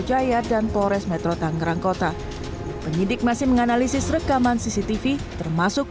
jaya dan polres metro tangerang kota penyidik masih menganalisis rekaman cctv termasuk